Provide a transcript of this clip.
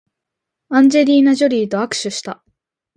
アンジェリーナジョリーと握手した